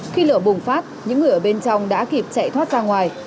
khi lửa bùng phát những người ở bên trong đã kịp chạy thoát ra ngoài